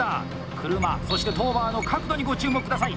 車、そしてトーバーの角度にご注目下さい。